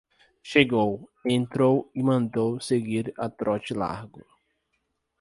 Chegou, entrou e mandou seguir a trote largo.